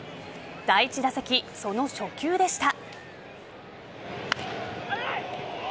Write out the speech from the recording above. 第１打席、その初球でした。